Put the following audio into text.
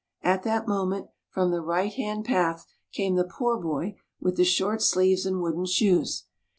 At that moment, from the right hand path came the poor boy with the short sleeves and wooden shoes.